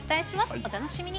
お楽しみに。